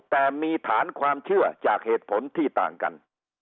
แต่มีฐานความเชื่อจากเหตุผลที่ต่างกัน